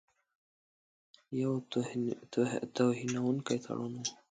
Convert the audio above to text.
یو توهینونکی تړون وو.